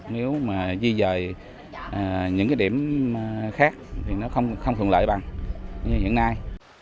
nếu mà di dời những cái điểm khác thì nó không thuận lợi bằng như hiện nay